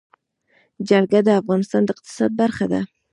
جلګه د افغانستان د اقتصاد برخه ده.